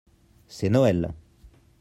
c'est Noël.